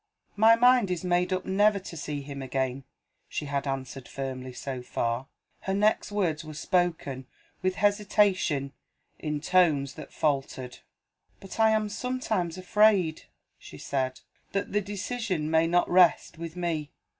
"My mind is made up never to see him again." She had answered firmly so far. Her next words were spoken with hesitation, in tones that faltered. "But I am sometimes afraid," she said, "that the decision may not rest with me."